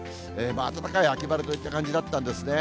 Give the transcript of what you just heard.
暖かい秋晴れといった感じだったんですね。